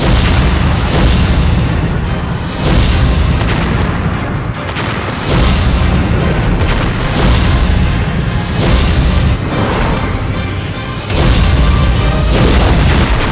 kau akan selamat